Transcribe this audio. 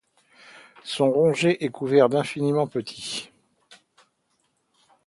Sont rongés et couverts d'infiniment petits ;